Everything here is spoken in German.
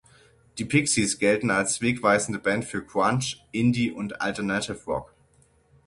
Die Pixies gelten als wegweisende Band für Grunge, Indie- und Alternative Rock.